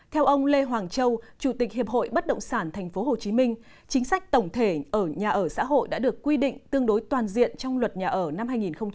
theo ông lê hoàng châu chủ tịch hiệp hội bất động sản tp hcm chính sách tổng thể ở nhà ở xã hội đã được quy định tương đối toàn diện trong luật nhà ở năm hai nghìn một mươi